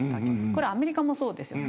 これはアメリカもそうです。